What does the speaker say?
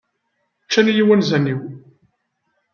Ččan-iyi wanzaren-iw.